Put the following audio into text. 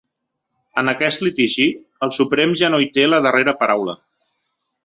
En aquest litigi, el Suprem ja no hi té la darrera paraula.